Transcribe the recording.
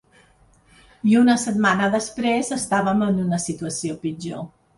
I una setmana després, estàvem en una situació pitjor.